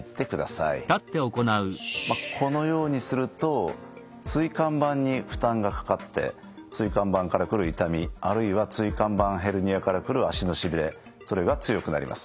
このようにすると椎間板に負担がかかって椎間板から来る痛みあるいは椎間板ヘルニアから来る脚のしびれそれが強くなります。